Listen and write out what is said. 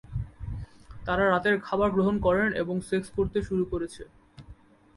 তারা রাতের খাবার গ্রহণ করেন এবং সেক্স করতে শুরু করেছে।